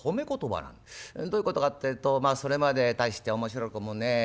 どういうことかってえとまあそれまで大して面白くもねえ